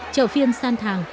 chợ phiên sang thàng